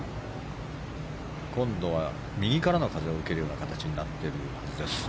今度は右からの風を受ける形になっているはずです。